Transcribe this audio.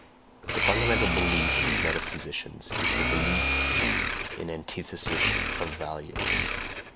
The fundamental belief of metaphysicians is THE BELIEF IN ANTITHESES OF VALUES.